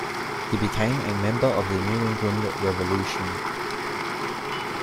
He became a member of the New England Revolution.